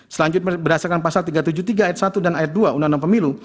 selanjutnya berdasarkan pasal tiga ratus tujuh puluh tiga ayat satu dan ayat dua undang undang pemilu